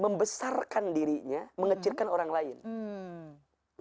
membesarkan dirinya mengecilkan orang lain